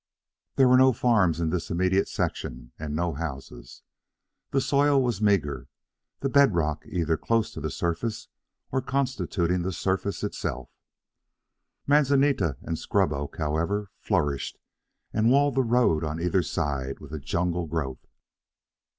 There were no farms in this immediate section, and no houses. The soil was meagre, the bed rock either close to the surface or constituting the surface itself. Manzanita and scrub oak, however, flourished and walled the road on either side with a jungle growth.